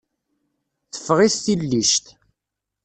Teffeɣ-it tillict.